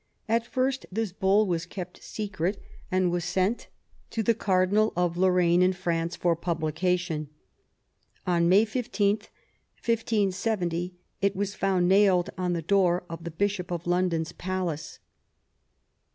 At first, this Bull was kept secret and was sent to the Cardinal of Lorraine in France for publication. On May 15, 1570, it was found nailed on the door of the Bishop of London*s palace.